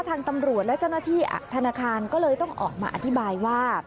ทางตำรวจและเจ้าหน้าที่ธนาคารก็เลยต้องออกมาอธิบายว่า